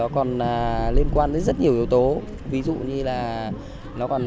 cố gắng hết tức